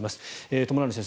友成先生